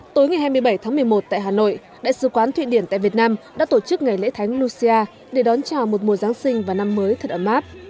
tối ngày hai mươi bảy tháng một mươi một tại hà nội đại sứ quán thụy điển tại việt nam đã tổ chức ngày lễ thánh lucia để đón chào một mùa giáng sinh và năm mới thật ấm áp